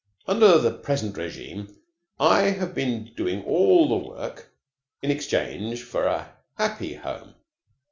Under the present regime I have been doing all the work in exchange for a happy home.